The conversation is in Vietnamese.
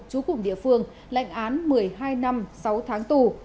chú cùng địa phương lệnh án một mươi hai năm sáu tháng tù